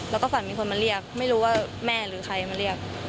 แล้วก็ฝันมีคนมาเรียกไม่รู้ว่าแม่หรือใครมาเรียก